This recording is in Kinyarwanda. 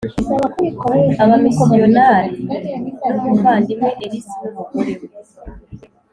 abamisiyonari n umuvandimwe Ellis n umugore we